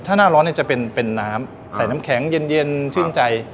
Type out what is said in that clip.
ถ้าหน้าร้อนจะเป็นน้ำใส่น้ำแข็งเย็นชื่นใจ